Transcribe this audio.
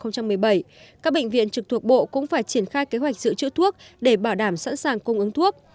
các bệnh viện trực thuộc bộ cũng phải triển khai kế hoạch dự trữ thuốc để bảo đảm sẵn sàng cung ứng thuốc